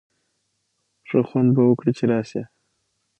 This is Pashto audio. ښه خوند به وکړي چي راسی.